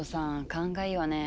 勘がいいわね。